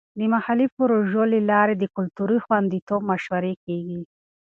د محلي پروژو له لارې د کلتور د خوندیتوب مشورې کیږي.